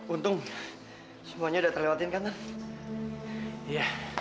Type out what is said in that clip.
untung semuanya sudah terlewati kan tante